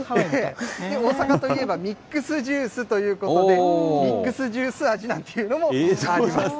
大阪といえばミックスジュースということで、ミックスジュース味なんていうのもあります。